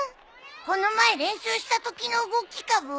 この前練習したときの動きかブー！